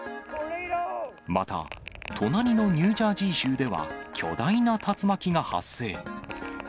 また、隣のニュージャージー州では巨大な竜巻が発生。